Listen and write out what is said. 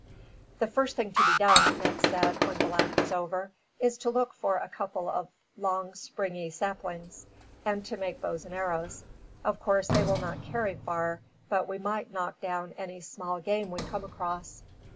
"The first thing to be done," Ned said, when the laugh was over, "is to look for a couple of long springy saplings, and to make bows and arrows. Of course they will not carry far, but we might knock down any small game we come across."